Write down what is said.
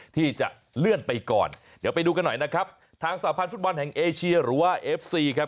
ที่จะเลื่อนไปก่อนเดี๋ยวไปดูกันหน่อยนะครับทางสาพันธ์ฟุตบอลแห่งเอเชียหรือว่าเอฟซีครับ